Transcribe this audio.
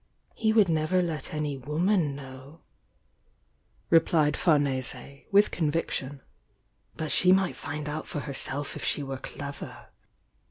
"He would never let any woman know," replied Famese, with conviction. "But she might find out for herself if she were clever!